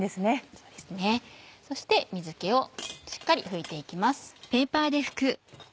そうですねそして水気をしっかり拭いて行きます。